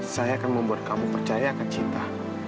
saya akan membuat kamu percaya akan cinta